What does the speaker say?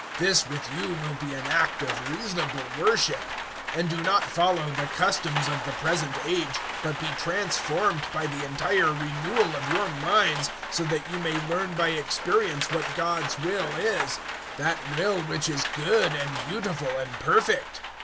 This with you will be an act of reasonable worship. 012:002 And do not follow the customs of the present age, but be transformed by the entire renewal of your minds, so that you may learn by experience what God's will is that will which is good and beautiful and perfect.